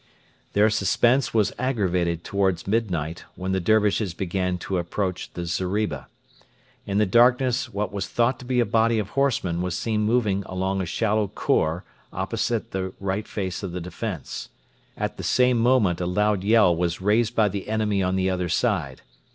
Their suspense was aggravated towards midnight, when the Dervishes began to approach the zeriba. In the darkness what was thought to be a body of horsemen was seen moving along a shallow khor opposite the right face of the defence. At the same moment a loud yell was raised by the enemy on the other side.